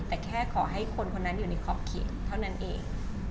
แต่แค่ขอให้คนอยู่ในครอบเข็กเท่านั้นเอง